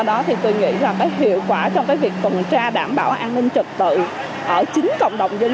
đó thì tôi nghĩ là mới hiệu quả trong cái việc tuần tra đảm bảo an ninh trật tự ở chính cộng đồng dân